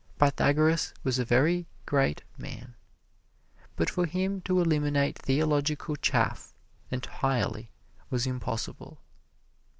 Pythagoras was a very great man, but for him to eliminate theological chaff entirely was impossible.